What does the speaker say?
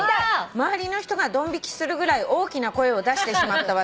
「周りの人がドン引きするぐらい大きな声を出してしまった私」